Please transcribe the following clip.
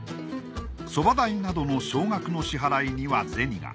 そば代などの少額の支払いには銭が。